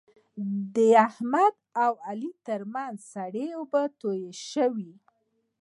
د احمد او علي ترمنځ سړې اوبه تویې شوې.